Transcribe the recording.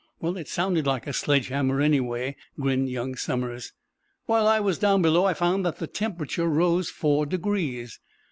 "Well, it sounded like a sledge hammer, anyway," grinned young Somers. "While I was down below I found that the temperature rose four degrees."